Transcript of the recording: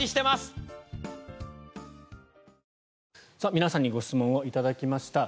皆さんにご質問を頂きました。